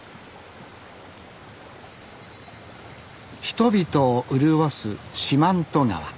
人々を潤す四万十川。